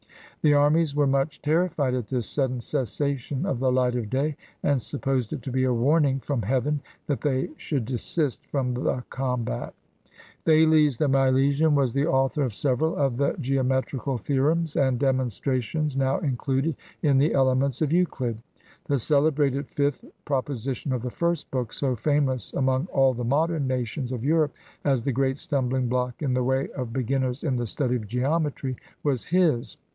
The armies were much terrified at this sudden cessation of the light of day, and supposed it to be a warn ing from heaven that they should desist from the combat. Thales the Milesian was the author of several of the geometrical theorems and demonstrations now included in the Elements of Euclid. The celebrated fifth proposi tion of the first book, so famous among all the modern nations of Europe as the great stumbHng block in the way of beginners in the study of geometry, was his.